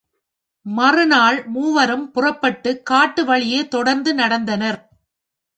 மறுநாள் மூவரும் புறப்பட்டுக் காட்டு வழியே தொடர்ந்து நடந்தனர்.